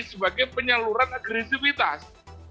sebagai penyaluran agresivitas